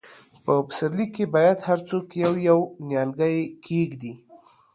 په پسرلي کې باید هر څوک یو، یو نیالګی کښېږدي.